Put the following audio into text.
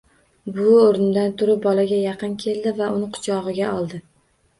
Buvi oʻrnidan turib bolaga yaqin keldi, uni quchogʻiga oldi.